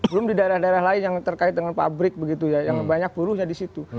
belum di daerah daerah lain yang terkait dengan pabrik begitu ya yang banyak buruhnya di situ